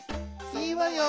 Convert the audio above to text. いいわよ」。